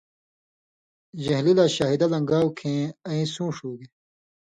ژھین٘لی لا شاہِدہ لن٘گھاؤ کھیں ایں سُون٘ݜ ہُوگے۔